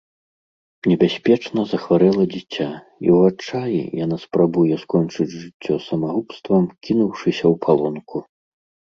Небяспечна захварэла дзіця, і ў адчаі яна спрабуе скончыць жыццё самагубствам, кінуўшыся ў палонку.